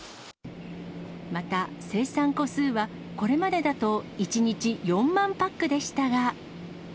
また、生産個数はこれまでだと１日４万パックでしたが。